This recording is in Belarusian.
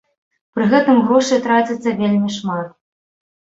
Пры гэтым грошай траціцца вельмі шмат.